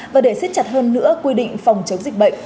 và để xiết chặt hơn nữa quy định phòng chống dịch bệnh